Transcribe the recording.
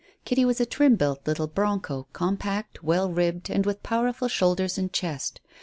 Kitty was a trim built little "broncho," compact, well ribbed, and with powerful shoulders and chest.